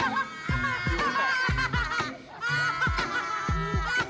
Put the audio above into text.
ini jadi pernyataan dari dayang